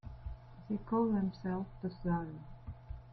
They call themselves the Zara.